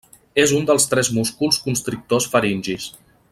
És un dels tres músculs constrictors faringis.